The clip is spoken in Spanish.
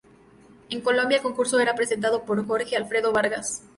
En Colombia el concurso era presentado por Jorge Alfredo Vargas.